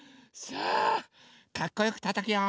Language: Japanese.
さあかっこよくたたくよ。